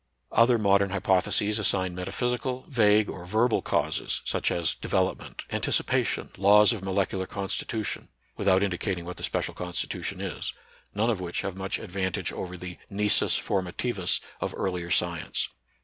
Other modern hypotheses assign metaphysical, vague, or verbal causes, such as development, anticipation, laws of molecular constitution, without indicating what the special constitution is, — none of which have much advantage over the " nlsus formatimis" of earlier science.